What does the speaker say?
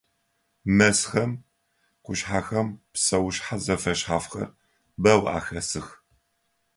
Мэзхэм, къушъхьэхэм псэушъхьэ зэфэшъхьафхэр бэу ахэсых.